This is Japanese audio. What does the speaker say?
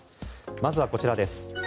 まずはこちらです。